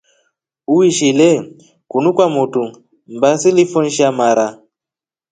Uishile kunu kwa motu mbaa silifoe sha mara.